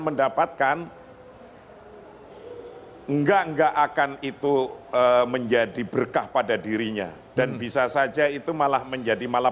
mendapatkan enggak enggak akan itu menjadi berkah pada dirinya dan bisa saja itu malah menjadi malah